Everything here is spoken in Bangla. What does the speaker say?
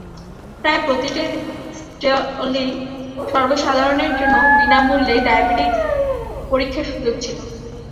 প্রায় প্রতিটি স্টলেই সর্বসাধারণের জন্য বিনা মূল্যে ডায়াবেটিস পরীক্ষার সুযোগ ছিল।